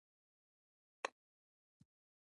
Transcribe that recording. قدرت او پرېکړې نیولو بهیرونه مهم دي.